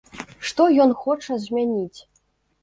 Што ён хоча змяніць?